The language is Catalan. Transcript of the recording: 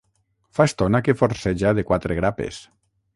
Fa estona que forceja de quatre grapes.